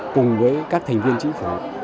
cùng với các thành viên chính phủ